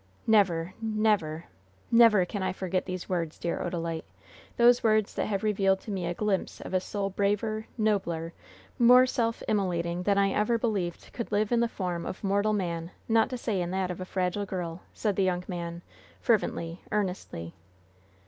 "Never, never, never can I forget these words, dear Odalite! Those words that have revealed to me a glimpse of a soul braver, nobler, more self immolating than I ever believed could live in the form of mortal man, not to say in that of a fragile girl," said the young man, fervently, earnestly.